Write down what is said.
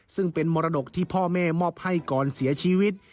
ซึ่งเป็นมรดกที่พ่อแม่มอบให้ก่อนเสียชีวิต